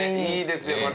いいですよ